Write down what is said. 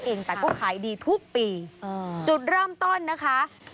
ที่แล้วเท่านั้นเองแต่ก็ขายดีทุกปีจุดเริ่มต้นนะคะ